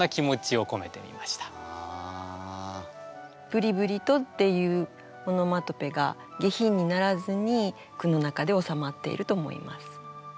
「ブリブリと」っていうオノマトペが下品にならずに句の中でおさまっていると思います。